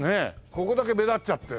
ここだけ目立っちゃって。